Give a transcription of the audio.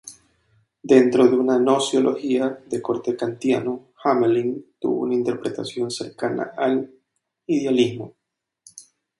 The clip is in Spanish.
Dentro de una gnoseología de corte kantiano, Hamelin tuvo una interpretación cercana al idealismo.